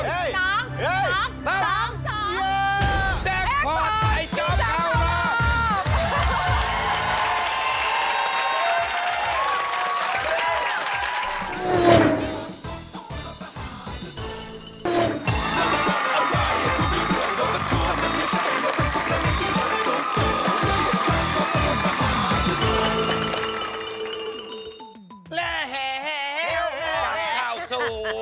เสาคำยันอาวุธิ